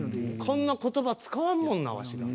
こんな言葉使わんもんなワシら。